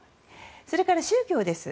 それから宗教です。